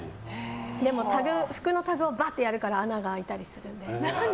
でも、服のタグをばーってやるから穴を開いたりするので。